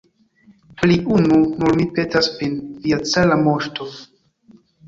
Pri unu nur mi petas vin, via cara moŝto!